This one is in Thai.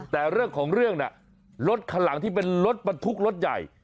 แต่เรื่องของเรื่องน่ะรถคันหลังที่เป็นรถบรรทุกรถใหญ่